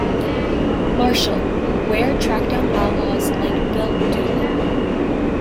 Marshal, where tracked down outlaws like Bill Doolin.